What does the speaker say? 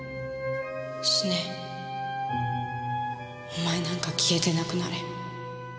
お前なんか消えてなくなれ。